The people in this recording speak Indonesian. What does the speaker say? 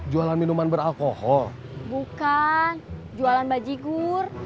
jualan baji gur